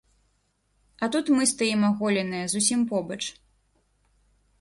А тут мы стаім аголеныя, зусім побач.